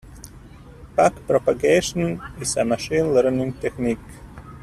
Back-propagation is a machine learning technique.